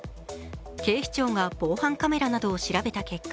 警視庁が防犯カメラなどを調べた結果